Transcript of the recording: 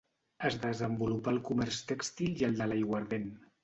Es desenvolupà el comerç tèxtil i el de l'aiguardent.